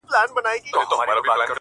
د تيارې غم په رڼاکي خوره.